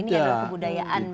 ini adalah kebudayaan begitu